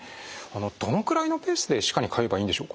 どのくらいのペースで歯科に通えばいいんでしょうか？